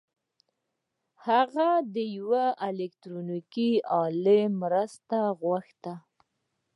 هغه د یوې الکټرونیکي الې مرسته وغوښته